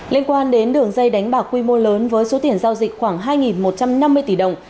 liên quan đến đường dây đánh bạc quy mô lớn với số tiền giao dịch khoảng hai một trăm năm mươi tỷ đồng